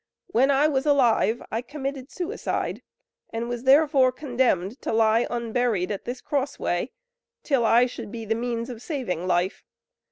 When I was alive I committed suicide, and was therefore condemned to lie unburied at this cross way, till I should be the means of saving life.